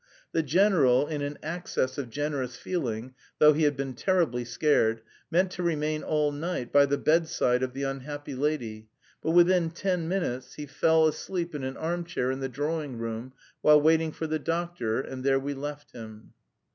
The general, in an access of generous feeling (though he had been terribly scared), meant to remain all night "by the bedside of the unhappy lady," but within ten minutes he fell asleep in an arm chair in the drawing room while waiting for the doctor, and there we left him.